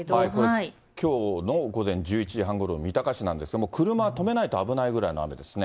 きょうの午前１１時半ごろの三鷹市なんですが、車止めないと危ないぐらいの雨ですね。